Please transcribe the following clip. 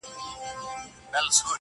چي هم ما هم مي ټبر ته یې منلی-